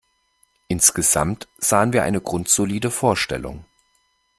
Insgesamt sahen wir eine grundsolide Vorstellung.